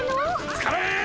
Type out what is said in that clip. つかれん！